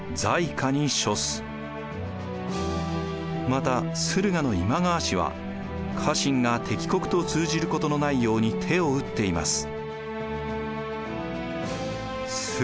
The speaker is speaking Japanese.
また駿河の今川氏は家臣が敵国と通じることのないように手を打っています。